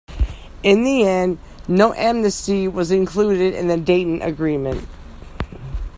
In the end, no amnesty was included in the Dayton Agreement.